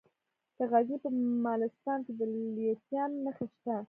د غزني په مالستان کې د لیتیم نښې شته.